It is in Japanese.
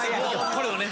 これをね